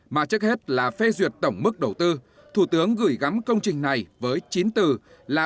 mà trước hết là phê duyệt tổng mức đầu tư thủ tướng gửi gắm công trình này với chín từ là